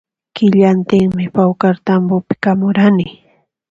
Killantinmi pawkartambopi kamurani